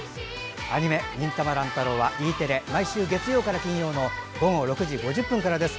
アニメ「忍たま乱太郎」はＥテレ、毎週月曜から金曜の午後６時５０分からです。